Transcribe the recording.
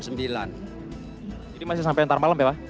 jadi masih sampai ntar malem ya pak